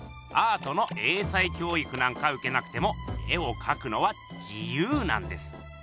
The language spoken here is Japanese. アートの英才教育なんかうけなくても絵をかくのは自由なんです。